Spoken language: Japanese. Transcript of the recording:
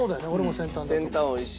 先端おいしいです。